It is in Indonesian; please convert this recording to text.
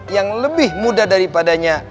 yang lebih muda daripadanya